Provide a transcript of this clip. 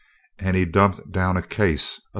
And he dumped down a case of .